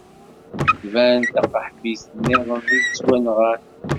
Tban d taqaḥbit niḍen i yettwanɣan.